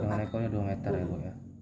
dengan ekornya dua meter ya bu